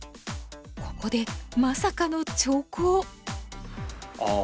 ここでまさかの長考。